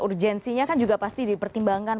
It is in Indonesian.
urgensinya kan juga pasti dipertimbangkan